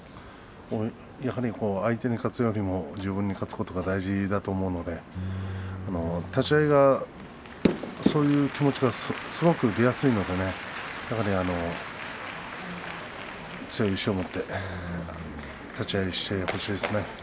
やはり相手に勝つということよりも自分に勝つことが大事だと思うので立ち合いは、そういう気持ちがすごく出やすいので強い意志を持って立ち合いをしてほしいですね。